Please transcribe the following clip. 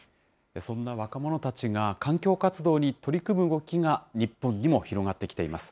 そんな若者たちが環境活動に取り組む動きが日本にも広がってきています。